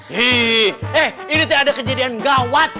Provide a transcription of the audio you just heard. hii eh ini teh ada kejadian gawat